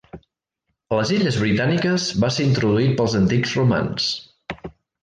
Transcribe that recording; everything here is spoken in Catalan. A les Illes Britàniques va ser introduït pels antics romans.